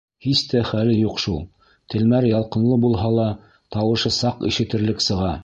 Һис тә хәле юҡ шул, телмәре ялҡынлы булһа ла, тауышы саҡ ишетелерлек сыға.